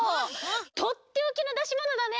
とっておきのだしものだね！